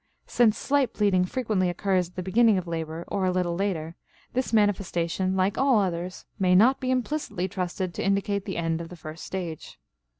Since slight bleeding frequently occurs at the beginning of labor, or a little later, this manifestation, like all others, may not be implicitly trusted to indicate the end of the first stage.